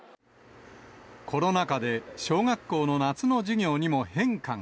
コロナ禍で小学校の夏の授業にも変化が。